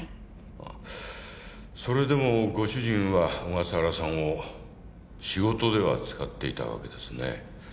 ああそれでもご主人は小笠原さんを仕事では使っていたわけですね。